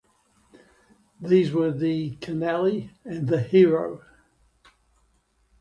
These were the "Canally" and the "Hero".